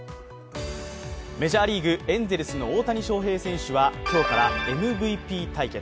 メジャーリーグ、エンゼルスの大谷翔平選手は今日からＭＶＰ対決。